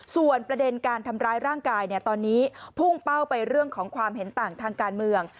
ส่วนประเด็นการทำร้ายร่างกายตอนนี้พุ่งเป้าไปเรื่องของความเห็นต่างทางการเมือง